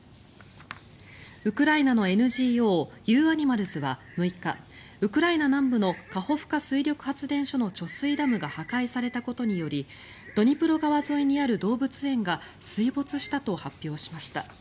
ウクライナのＮＧＯＵＡｎｉｍａｌｓは６日ウクライナ南部のカホフカ水力発電所の貯水ダムが破壊されたことによりドニプロ川沿いにある動物園が水没したと発表しました。